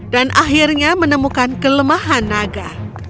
dan akhirnya menemukan kelemahan naga